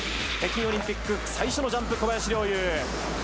北京オリンピック最初のジャンプ、小林陵侑。